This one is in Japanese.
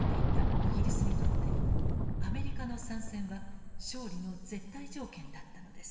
アメリカの参戦は勝利の絶対条件だったのです。